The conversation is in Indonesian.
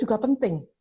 itu adalah penting